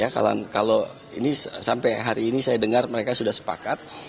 kalau ini sampai hari ini saya dengar mereka sudah sepakat